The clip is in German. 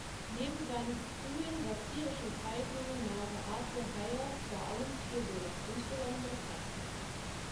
Neben seinen frühen satirischen Zeichnungen malte Arthur Heyer vor allem Tierbilder, insbesondere Katzen.